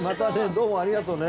どうもありがとうね。